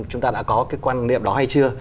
chúng ta đã có cái quan niệm đó hay chưa